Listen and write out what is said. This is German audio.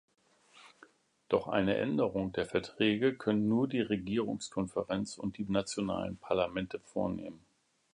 Doch eine Änderung der Verträge können nur die Regierungskonferenz und die nationalen Parlamente vornehmen.